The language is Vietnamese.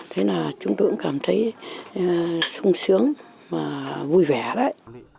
thế là chúng tôi cũng cảm thấy sung sướng và vui vẻ đấy